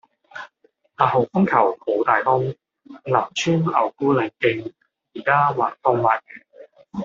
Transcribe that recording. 八號風球好大風，林村牛牯嶺徑依家橫風橫雨